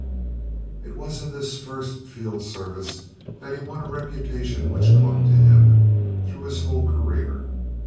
It was in this first field service that he won a reputation which clung to him through his whole career.